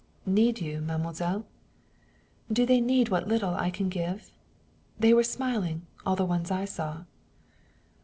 "Need you, mademoiselle?" "Do they need what little I can give? They were smiling, all the ones I saw."